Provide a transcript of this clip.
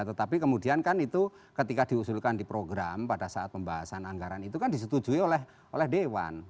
tetapi kemudian kan itu ketika diusulkan di program pada saat pembahasan anggaran itu kan disetujui oleh dewan